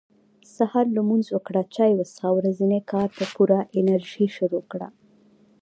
سهار لمونځ وکړه چاي وڅښه ورځني کار په پوره انرژي شروع کړه